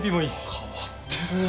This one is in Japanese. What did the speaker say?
変わってるなあ。